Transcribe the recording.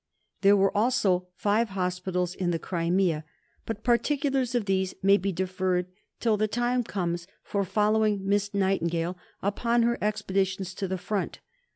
There were also five hospitals in the Crimea, but particulars of these may be deferred till the time comes for following Miss Nightingale upon her expeditions to the front.